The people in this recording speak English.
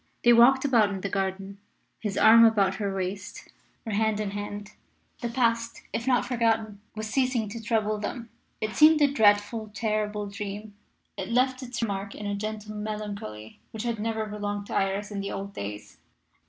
They walked about in the garden, his arm about her waist, or hand in hand. The past, if not forgotten, was ceasing to trouble them; it seemed a dreadful, terrible dream. It left its mark in a gentle melancholy which had never belonged to Iris in the old days.